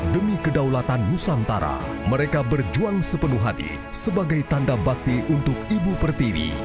demi kedaulatan nusantara mereka berjuang sepenuh hati sebagai tanda bakti untuk ibu pertiwi